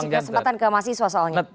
saya mau kasih kesempatan ke mahasiswa soalnya